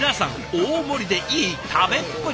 大盛りでいい食べっぷり！